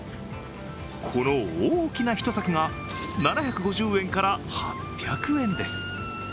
この大きな１柵が７５０円から８００円です。